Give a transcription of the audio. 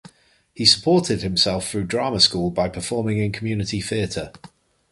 He supported himself through drama school by performing in community theatre.